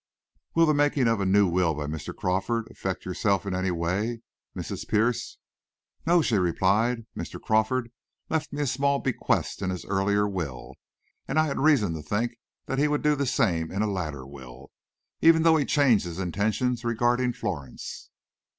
"Will the making of a new will by Mr. Crawford affect yourself in any way, Mrs. Pierce?" "No," she replied, "Mr. Crawford left me a small bequest in his earlier will and I had reason to think he would do the same in a later will, even though he changed his intentions regarding Florence."